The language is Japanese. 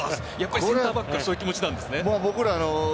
センターバックはそういう気持ちなんですね。